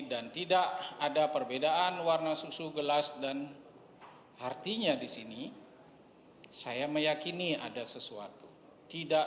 dan tidak ada perbedaan warna susu gelas dan artinya disini saya meyakini ada sesuatu tidak